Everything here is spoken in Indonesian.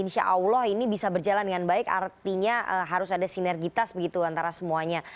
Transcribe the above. insya allah ini bisa berjalan dengan baik artinya harus ada sinergitas begitu antara semuanya